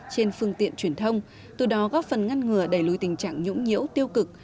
trên phương tiện truyền thông từ đó góp phần ngăn ngừa đẩy lùi tình trạng nhũng nhiễu tiêu cực